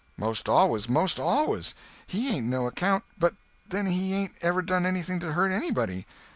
"Most always—most always. He ain't no account; but then he hain't ever done anything to hurt anybody.